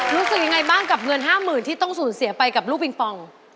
รู้สึกยังไงบ้างเมือน๒๕๐๐๐บาทที่สูญเสียไปกับลูกปิงปอง